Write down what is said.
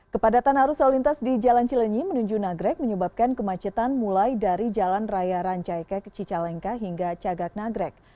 kepadatan arus lalu lintas di jalan cilenyi menuju nagrek menyebabkan kemacetan mulai dari jalan raya rancaikek cicalengka hingga cagak nagrek